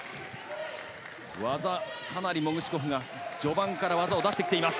技、かなり、モグシコフが序盤から技を出してきています。